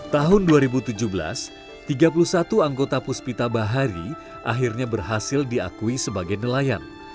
tahun dua ribu tujuh belas tiga puluh satu anggota puspita bahari akhirnya berhasil diakui sebagai nelayan